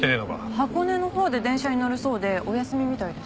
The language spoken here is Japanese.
箱根のほうで電車に乗るそうでお休みみたいです。